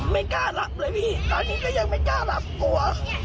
ไม่กล้าหลับเลยพี่ตอนนี้ก็ยังไม่กล้าหลับกลัว